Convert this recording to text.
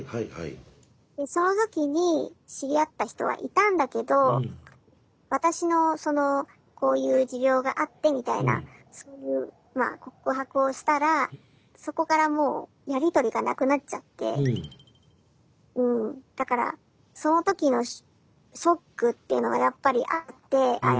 その時に知り合った人はいたんだけど私のそのこういう持病があってみたいなそういうまあ告白をしたらそこからもうやり取りがなくなっちゃってうんだからその時のショックっていうのがやっぱりあってああ